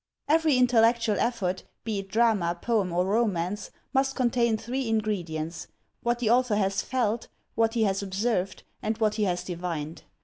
Every intellectual effort, be it drama, poem, or romance, must contain three ingredients, — what the author has felt, what he has observed, and what he has divined.